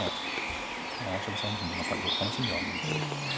青嶋さんの方も何かいろいろ楽しみはあるんで。